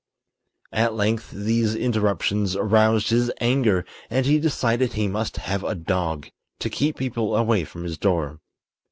At length these interruptions aroused his anger, and he decided he must have a dog to keep people away from his door.